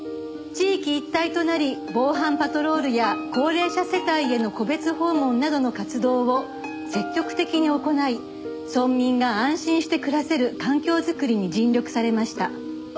「地域一帯となり防犯パトロールや高齢者世帯への個別訪問などの活動を積極的に行い村民が安心して暮らせる環境づくりに尽力されました」